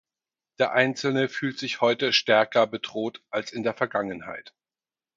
Der Einzelne fühlt sich heute stärker bedroht als in der Vergangenheit.